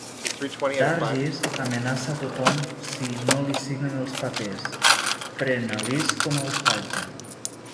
Dargis amenaça a tothom si no li signen els papers, pren a Liz com a ostatge.